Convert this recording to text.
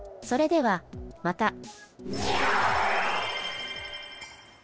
それではまた。